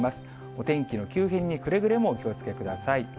お天気の急変にくれぐれもお気をつけください。